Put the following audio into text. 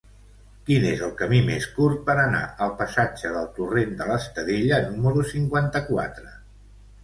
Quin és el camí més curt per anar al passatge del Torrent de l'Estadella número cinquanta-quatre?